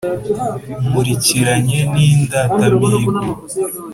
nkurikiranye n’indatamihigo